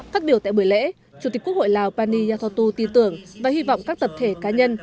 phát biểu tại buổi lễ chủ tịch quốc hội lào pani yathotu ti tưởng và hy vọng các tập thể cá nhân